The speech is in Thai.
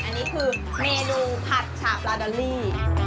อันนี้คือเมนูผัดฉาบลาดอลลี่